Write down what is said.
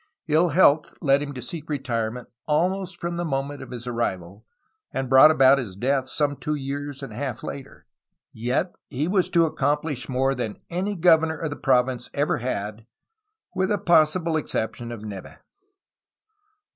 Ill health led him to seek retirement almost from the moment of his arrival, and brought about his death some two years and a half later. Yet, he was to accomplish more than any governor the province ever had, with the possible exception of Neve.